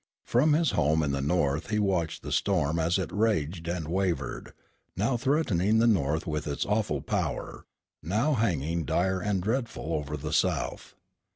From his home in the North he watched the storm as it raged and wavered, now threatening the North with its awful power, now hanging dire and dreadful over the South.